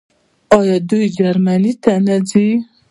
آیا دوی جرمونه نه څیړي؟